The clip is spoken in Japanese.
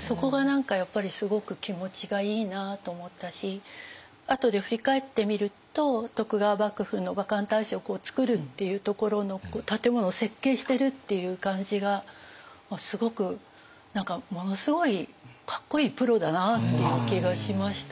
そこが何かやっぱりすごく気持ちがいいなと思ったしあとで振り返ってみると徳川幕府の幕藩体制を作るっていうところの建物を設計してるっていう感じがすごく何かものすごいかっこいいプロだなっていう気がしました。